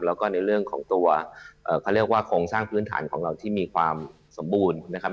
แล้วก็ในเรื่องของตัวเขาเรียกว่าโครงสร้างพื้นฐานของเราที่มีความสมบูรณ์นะครับ